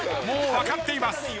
もう分かっています。